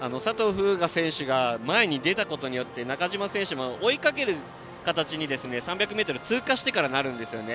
風雅選手が前に出たことによって中島選手も追いかける形に３００ｍを通過してからなるんですよね。